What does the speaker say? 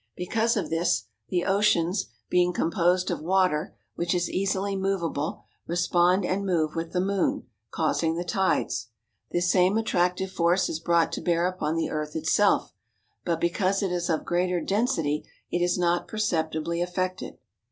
Because of this, the oceans, being composed of water, which is easily movable, respond and move with the moon, causing the tides. This same attractive force is brought to bear upon the earth itself, but because it is of greater density it is not perceptibly affected.